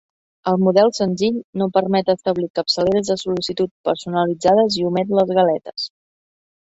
El model "senzill" no permet establir capçaleres de sol·licitud personalitzades i omet les galetes.